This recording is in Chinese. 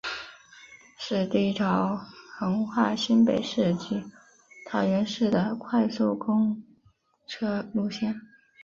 是第一条横跨新北市及桃园市的快速公车路线。